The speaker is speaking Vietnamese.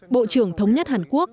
bộ trưởng thống nhất hàn quốc